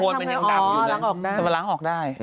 สำหรับล้างออกได้